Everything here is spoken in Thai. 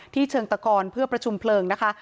เชิงตะกอนเพื่อประชุมเพลิงนะคะ